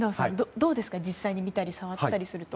どうですか、実際に見たり触ったりすると。